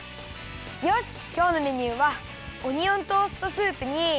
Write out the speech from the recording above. きょうのメニューはオニオントーストスープにきまり！